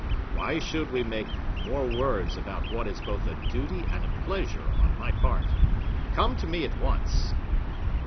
why should we make more words about what is both a duty and a pleasure on my part? Come to me at once!"